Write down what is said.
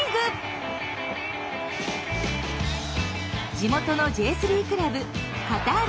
地元のＪ３クラブカターレ